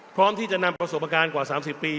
พร้อมที่จะนำประสบการณ์กว่า๓๐ปี